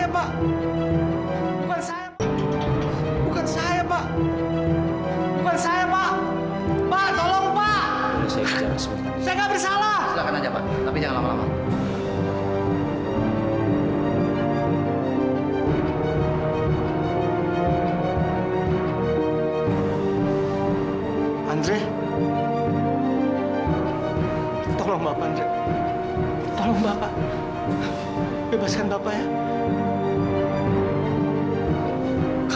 aku akan menjenguk bapak